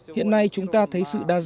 hiện nay chúng ta thấy sự đa dạng